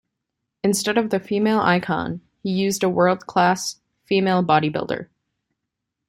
Instead of the female icon, he used a world class female body builder.